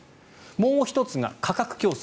もう１つが価格競争。